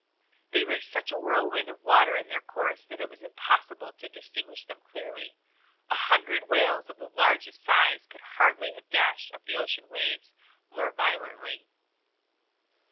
They raised such a whirlwind of water in their course that it was impossible to distinguish them clearly. A hundred whales of the largest size could hardly have dashed up the ocean waves more violently.